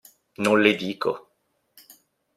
Non le dico.